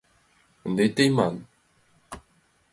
— Ынде тый ман...